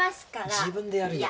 自分でやるよ。